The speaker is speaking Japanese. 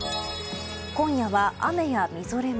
今夜は雨やみぞれも。